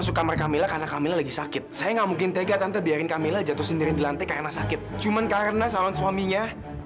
sampai jumpa di video selanjutnya